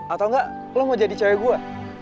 atau enggak lo mau jadi cewek gue